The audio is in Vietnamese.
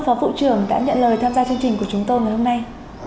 cảm ơn phó phụ trưởng đã nhận lời tham gia chương trình của chúng tôi ngày hôm nay